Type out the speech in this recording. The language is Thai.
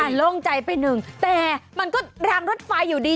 โล่งใจไปหนึ่งแต่มันก็รางรถไฟอยู่ดี